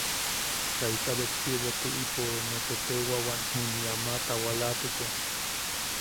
Kaita betchiʼibo tuʼipo... ne teteuʼewan, juniʼi ama taawalatuko.